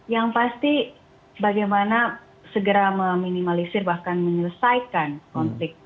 yang pasti bagaimana segera meminimalisir bahkan menyelesaikan konflik